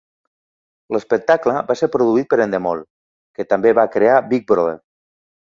L'espectacle va ser produït per Endemol, que també va crear Big Brother.